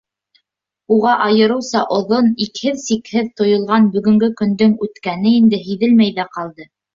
Уға айырыуса оҙон, икһеҙ-сикһеҙ тойолған бөгөнгө көндөң үткәне инде һиҙелмәй ҙә ҡалды.